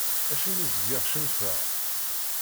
Acimi zgiɣ cennfeɣ?